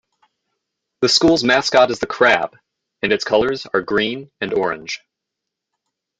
The school's mascot is the Crab, and its colors are Green and orange.